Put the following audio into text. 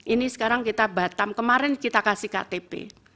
ini sekarang kita batam kemarin kita kasih ktp